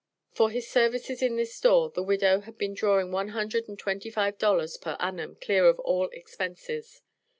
For his services in this store the widow had been drawing one hundred and twenty five dollars per annum, clear of all expenses.